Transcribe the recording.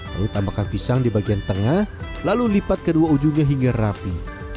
lalu tambahkan pisang di bagian tengah lalu lipat kedua ujungnya hingga rapi